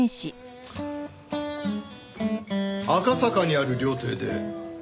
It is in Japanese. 赤坂にある料亭で。